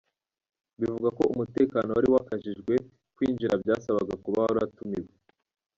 Bivugwa ko umutekano wari wakajijwe kwinjira byasabaga kuba waratumiwe.